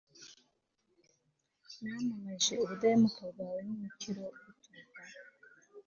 namamaje ubudahemuka bwawe n'umukiro uguturukaho